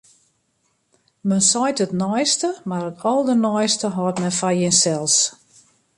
Men seit it neiste, mar it alderneiste hâldt men foar jinsels.